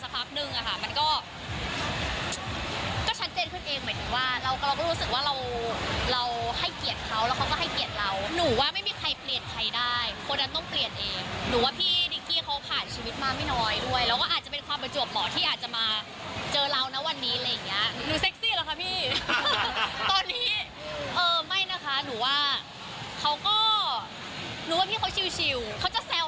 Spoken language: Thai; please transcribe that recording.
พอเราอยู่กันไปสักพักนึงมันก็ชันเจนขึ้นเอง